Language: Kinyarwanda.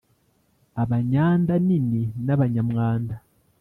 abanyanda nini n’abanyamwanda